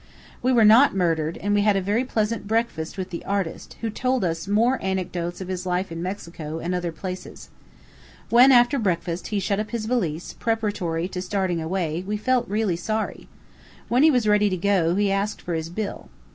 We were not murdered, and we had a very pleasant breakfast with the artist, who told us more anecdotes of his life in Mexico and other places. When, after breakfast, he shut up his valise, preparatory to starting away, we felt really sorry. When he was ready to go, he asked for his bill.